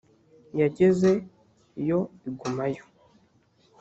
lyageze yo igumayo.